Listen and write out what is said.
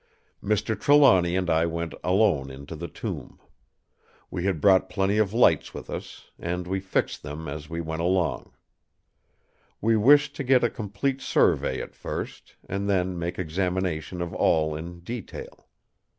"Mr. Trelawny and I went alone into the tomb. We had brought plenty of lights with us; and we fixed them as we went along. We wished to get a complete survey at first, and then make examination of all in detail.